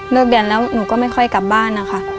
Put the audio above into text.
เลิกเด็นแล้วหนูก็ไม่ค่อยกลับบ้านค่ะ